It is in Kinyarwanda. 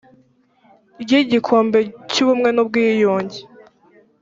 ry igikombe cy ubumwe n ubwiyunge